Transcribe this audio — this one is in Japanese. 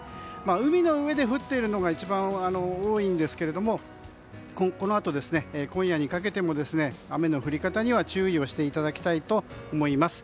海の上で降っているのが一番多いんですがこのあと、今夜にかけて雨の降り方には注意をしていただきたいと思います。